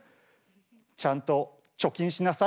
ちゃんと貯金しなさい。